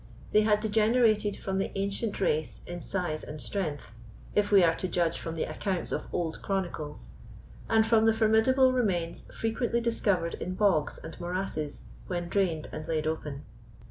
They had degenerated from the ancient race in size and strength, if we are to judge from the accounts of old chronicles, and from the formidable remains frequently discovered in bogs and morasses when drained and laid open.